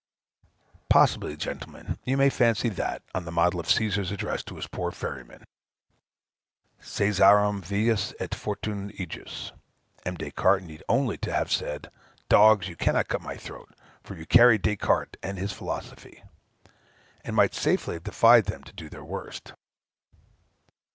Possibly, gentlemen, you may fancy that, on the model of Cæsar's address to his poor ferryman, "Cæsarem vehis et fortunas ejus" M. Des Cartes needed only to have said, "Dogs, you cannot cut my throat, for you carry Des Cartes and his philosophy," and might safely have defied them to do their worst.